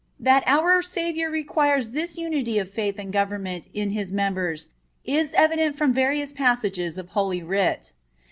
That our Savior requires this unity of faith and government in His members is evident from various passages of Holy Writ.